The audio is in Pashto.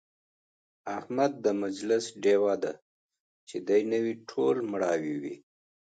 احمد د مجلس ډېوه دی، چې دی نه وي ټول مړاوي وي.